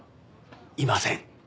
いません。